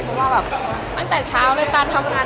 แบบตั้งแต่เช้าเลยตานธรรมงาน